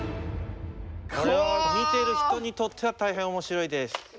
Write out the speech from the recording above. これは見てる人にとっては大変面白いです。